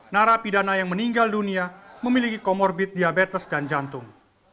narapidana yang meninggal dunia memiliki comorbid diabetes dan jantung